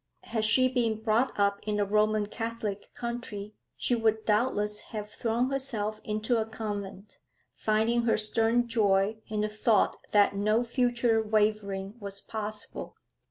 Had she been brought up in a Roman Catholic country she would doubtless have thrown herself into a convent, finding her stern joy in the thought that no future wavering was possible.